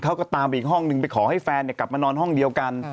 เขาก็ตามไปอีกห้องนึงไปขอให้แฟนกลับมานอนห้องเดียวกัน